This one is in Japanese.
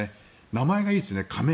名前がいいですね、亀井。